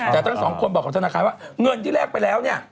แต่ทั้งสองคนบอกกับธนาคารว่าเงินที่แรกไปแล้วเนี่ย